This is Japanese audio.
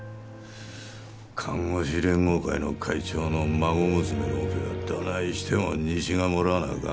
看護師連合会の会長の孫娘のオペはどないしても西がもらわなあかん。